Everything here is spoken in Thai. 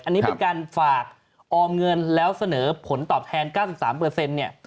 อันนี้เป็นการฝากออมเงินแล้วเสนอผลตอบแทน๙๓เนี่ย